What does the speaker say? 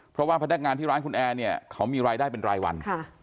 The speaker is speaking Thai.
เพราะว่าพนักงานที่ร้านคุณแอร์เนี่ยเขามีรายได้เป็นรายวัน